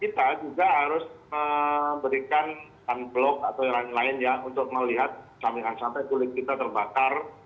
kita juga harus memberikan unblock atau yang lain lain ya untuk melihat sampai kulit kita terbakar